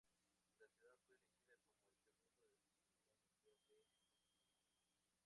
La ciudad fue elegida como el segundo destino mundial de esquí.